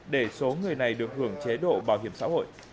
để số người này được hưởng chế độ bảo hiểm xã hội